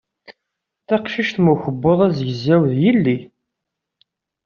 Taqcict mm ukebbuḍ azegzaw d yelli.